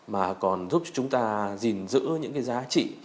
mà còn giúp chúng ta gìn giữ những cái giá trị